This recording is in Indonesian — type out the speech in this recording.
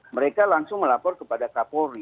mereka langsung melapor kepada kapolri